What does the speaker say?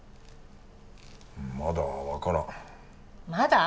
まだ分からんまだ？